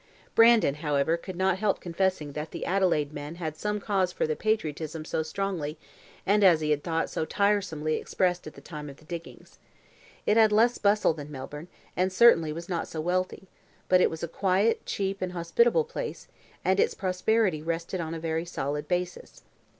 Brandon, however, could not help confessing that the Adelaide men had some cause for the patriotism so strongly, and, as he had thought, so tiresomely expressed at the time of the diggings. It had less bustle than Melbourne, and certainly was not so wealthy; but it was a quiet, cheap, and hospitable place, and its prosperity rested on a very solid basis.